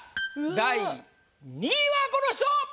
第２位はこの人！